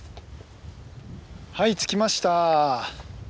はい着きました。